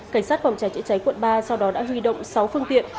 cảnh sát phòng cháy chữa cháy quận ba sau đó đã huy động sáu phương tiện